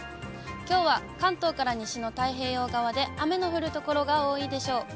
きょうは関東から西の太平洋側で雨の降る所が多いでしょう。